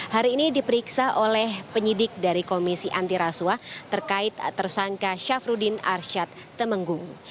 hari ini diperiksa oleh penyidik dari komisi antiraswa terkait tersangka syafruddin arsyad tumenggung